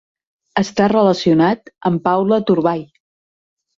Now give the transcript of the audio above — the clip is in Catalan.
Està relacionat amb Paola Turbay.